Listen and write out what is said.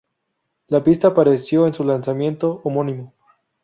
La pista apareció en su lanzamiento homónimo.